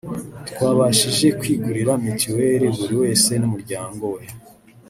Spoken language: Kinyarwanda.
twabashije kwigurira mitiweli buri wese n’umuryango we